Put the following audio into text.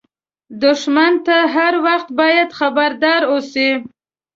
دښمن ته هر وخت باید خبردار اوسې